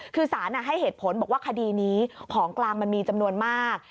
คือสารให้เหตุผลบอกว่าคดีนี้ของกลางมันมีจำนวนมาก